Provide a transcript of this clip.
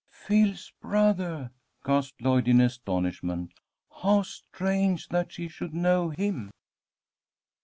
"Phil's brother!" gasped Lloyd, in astonishment. "How strange that she should know him!"